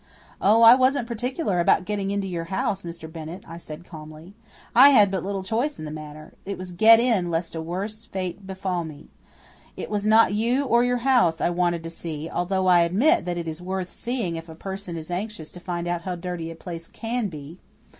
"Oh, I wasn't particular about getting into your house, Mr. Bennett," I said calmly. "I had but little choice in the matter. It was get in lest a worse fate befall me. It was not you or your house I wanted to see although I admit that it is worth seeing if a person is anxious to find out how dirty a place CAN be.